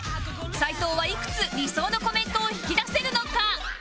斉藤はいくつ理想のコメントを引き出せるのか？